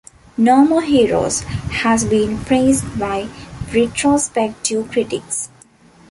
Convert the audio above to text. "No More Heroes" has been praised by retrospective critics.